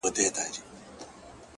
• په مخلوق کي اوسېدله خو تنها وه ,